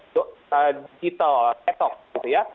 digital detox gitu ya